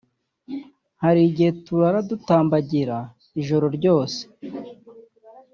hari igihe turara dutambagira ijoro ryose